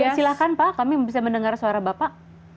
ya silahkan pak kami bisa mendengar suara bapak